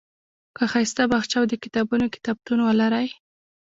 که ښایسته باغچه او د کتابونو کتابتون ولرئ.